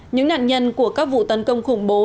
những nạn nhân của các vụ tấn công khủng bố